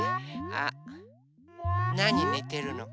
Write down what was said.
なにねてるの？